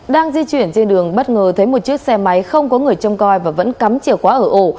đang di chuyển trên đường bất ngờ thấy một chiếc xe máy không có người trông coi và vẫn cắm chìa khóa ở ổ